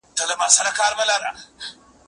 زه به تمرين کړي وي،